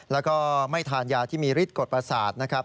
แล้วก็ไม่ทานยาที่มีฤทธิกฎประสาทนะครับ